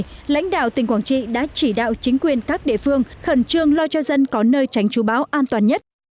trước đó lãnh đạo tỉnh quảng trị đã chỉ đạo chính quyền các địa phương khẩn trương lo cho dân có nơi tránh chú bão an toàn nhất